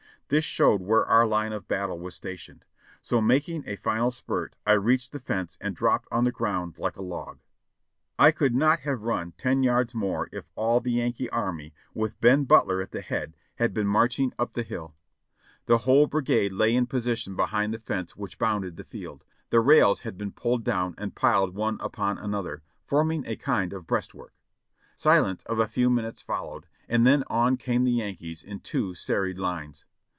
This showed where our line of battle was stationed : so making a final spurt I reached the fence and dropped on the ground like a log. I could not have THE BATTLE CONTINUED 543 run ten yards more if all the Yankee army, with Ben Butler at the head, had been marching up the hill. The whole brigade lay in position behind the fence which bounded the field. The rails had been pulled down and piled one upon another, forming a kind of breastwork. Silence of a few minutes followed, and then on came the Yankees in two serried lines.